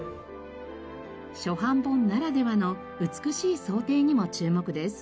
初版本ならではの美しい装丁にも注目です。